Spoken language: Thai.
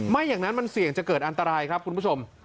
ไม่อย่างนั้นมันเสี่ยงจะเกิดอันตรายครับคุณผู้ชม